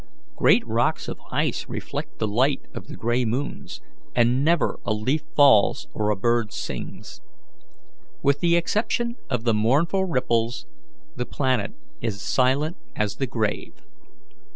Great rocks of ice reflect the light of the grey moons, and never a leaf falls or a bird sings. With the exception of the mournful ripples, the planet is silent as the grave.